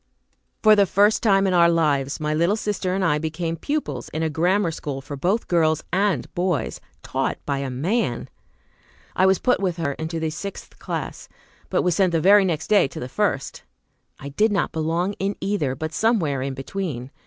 For the first time in our lives, my little sister and I became pupils in a grammar school for both girls and boys, taught by a man. I was put with her into the sixth class, but was sent the very next day into the first. I did not belong in either, but somewhere between.